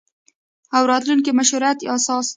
او راتلونکي مشروعیت اساس